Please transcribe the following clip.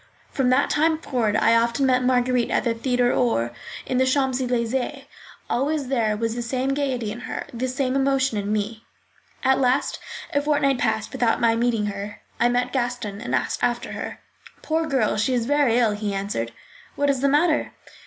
From that time forward, I often met Marguerite at the theatre or in the Champs Elysées. Always there was the same gaiety in her, the same emotion in me. At last a fortnight passed without my meeting her. I met Gaston and asked after her. "Poor girl, she is very ill," he answered. "What is the matter?"